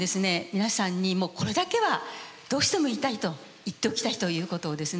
皆さんにもうこれだけはどうしても言いたいと言っておきたいということをですね